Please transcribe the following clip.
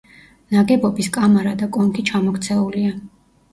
ნაგებობის კამარა და კონქი ჩამოქცეულია.